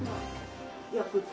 焼くと。